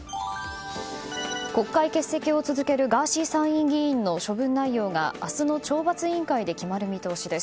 国会欠席を続けるガーシー参院議員の処分内容が明日の懲罰委員会で決まる見通しです。